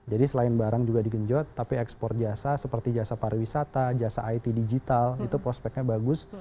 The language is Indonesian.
jadi selain barang juga digenjot tapi ekspor jasa seperti jasa pariwisata jasa it digital itu prospeknya bagus